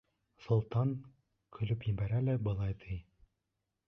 Солтан көлөп ебәрә лә былай ти: